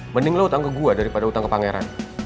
mending lo utang ke gue daripada utang ke pak heran